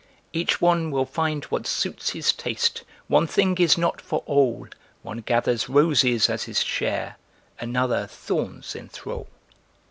Each one will find what suits his taste, one thing is not for all, One gathers roses as his share, another thorns enthrall.